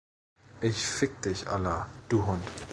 Ich Fick dich, Allah, du Hund.